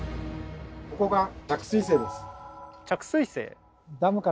ここが「着水井」です。